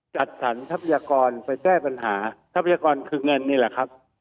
จัดสรรทรัพยากรไปแก้ปัญหาทรัพยากรคือเงินนี่แหละครับ